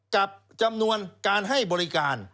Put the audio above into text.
กับจำนวนการให้บริการ